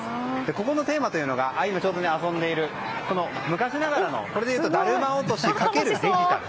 ここのテーマというのが今、ちょうど遊んでいる昔ながらのだるま落とし×デジタル。